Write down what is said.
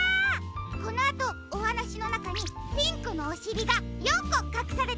このあとおはなしのなかにピンクのおしりが４こかくされているよ。